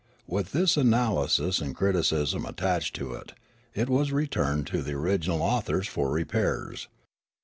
With this analysis and criticism attached to it, it was returned to the original authors for repairs.